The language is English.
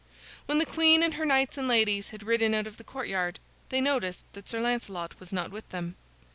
When the queen and her knights and ladies had ridden out of the courtyard, they noticed that Sir Lancelot was not with them.